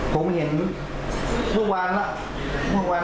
ผมเห็นพวกวันละเช่่าวาล่ะ